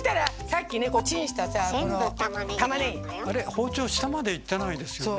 包丁下までいってないですよね。